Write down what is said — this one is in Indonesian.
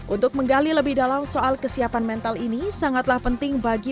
untuk menggali lebih dalam soal kesiapan mental ini